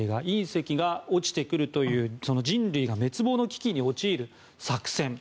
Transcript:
隕石が落ちてくるという人類が滅亡の危機に陥る作戦。